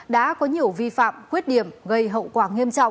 đã có nhiều vi phạm khuyết điểm gây hậu quả nghiêm trọng